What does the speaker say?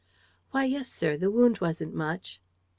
"Why, yes, sir. The wound wasn't much."